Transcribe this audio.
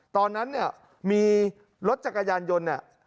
ตอนนั้นเนี่ยมีรถจักรยานยนต์เนี่ย